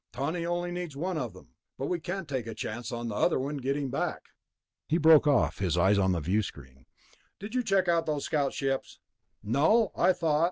_ Tawney only needs one of them, but we can't take a chance on the other one getting back...." He broke off, his eyes on the viewscreen. "Did you check those scout ships?" "No, I thought...."